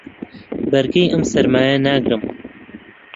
بەرگەی ئەم سەرمایە ناگرم.